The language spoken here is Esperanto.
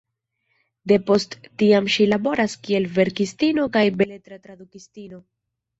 Depost tiam ŝi laboras kiel verkistino kaj beletra tradukistino.